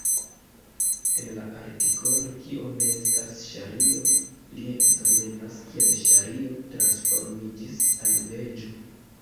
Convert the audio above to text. En la artikolo "Kio ne estas ŝario" li ekzamenas kiel ŝario transformiĝis al leĝo.